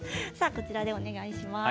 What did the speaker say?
こちらでお願いします。